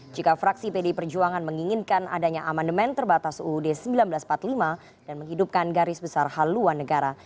jika fraksi pdi perjuangan menginginkan adanya amandemen terbatas uud seribu sembilan ratus empat puluh lima dan menghidupkan garis besar haluan negara